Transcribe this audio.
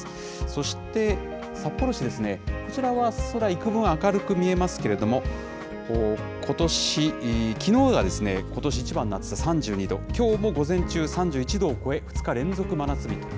そして、札幌市ですね、こちらは空、いくぶん明るく見えますけれども、ことし、きのうがことしいちばんの暑さ、３２度、きょうも午前中３１度を超え、２日連続真夏日と。